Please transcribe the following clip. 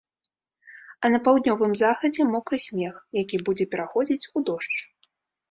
А на паўднёвым захадзе мокры снег, які будзе пераходзіць у дождж.